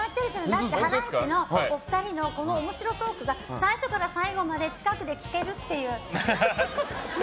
だって、ハライチのお二人の面白トークが最初から最後まで近くで聞けるっていう。